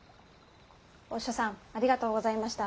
おっしょさんありがとうございました。